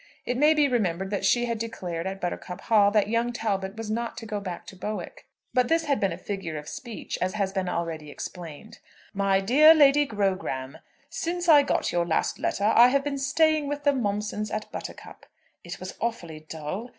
It may be remembered that she had declared at Buttercup Hall that young Talbot was not to go back to Bowick. But this had been a figure of speech, as has been already explained: "MY DEAR LADY GROGRAM, Since I got your last letter I have been staying with the Momsons at Buttercup. It was awfully dull.